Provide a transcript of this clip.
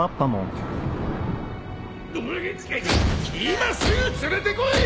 ・今すぐ連れてこい！